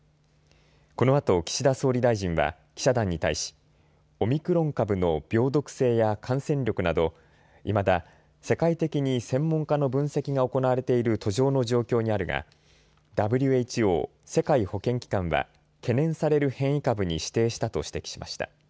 このあと岸田総理大臣は記者団に対しオミクロン株の病毒性や感染力などいまだ世界的に専門家の分析が行われている途上の状況にあるがＷＨＯ・世界保健機関は懸念される変異株に指定したと指摘しました。